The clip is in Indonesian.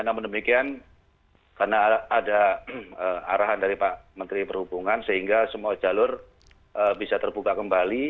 namun demikian karena ada arahan dari pak menteri perhubungan sehingga semua jalur bisa terbuka kembali